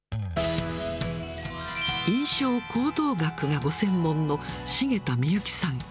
印象行動学がご専門の重田みゆきさん。